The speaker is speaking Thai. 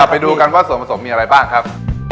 ไปดูกันว่าส่วนผสมมีอะไรบ้างครับ